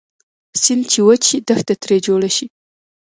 سیند چې وچ شي دښته تري جوړه شي